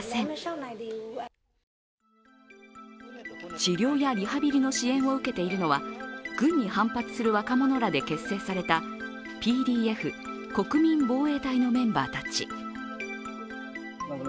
治療やリハビリの支援を受けているのは軍に反発する若者らで結成されたＰＤＦ＝国民防衛隊のメンバーたち。